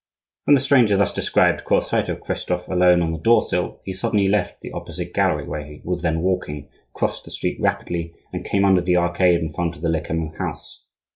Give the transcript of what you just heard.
When the stranger thus described caught sight of Christophe alone on the door sill, he suddenly left the opposite gallery where he was then walking, crossed the street rapidly, and came under the arcade in front of the Lecamus house.